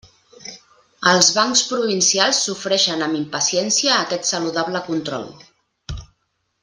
Els bancs provincials sofreixen amb impaciència aquest saludable control.